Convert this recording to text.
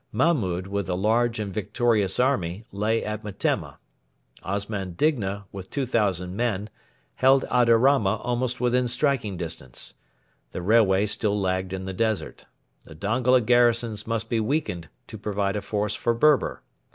Mahmud, with a large and victorious army, lay at Metemma. Osman Digna, with 2,000 men, held Adarama almost within striking distance. The railway still lagged in the desert. The Dongola garrisons must be weakened to provide a force for Berber.